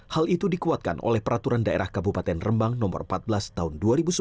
hal itu dikuatkan oleh peraturan daerah kabupaten rembang no empat belas tahun dua ribu sebelas